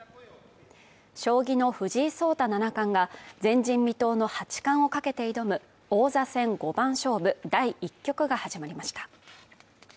将棋の藤井聡太七冠が前人未到の八冠をかけて挑む王座戦五番勝負第１局が始まりました